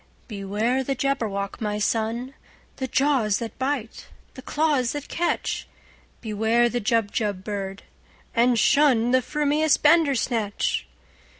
"Beware the Jabberwock, my son! The jaws that bite, the claws that catch! Beware the Jubjub bird, and shunThe frumious Bandersnatch!"